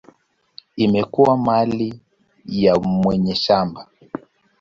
inakuwa mali ya mwenye shamba.